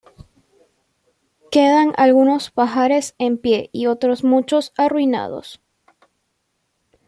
Quedan algunos pajares en pie y otros muchos arruinados.